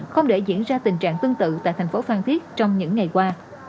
không để diễn ra tình trạng tương tự tại thành phố phan thiết trong những ngày qua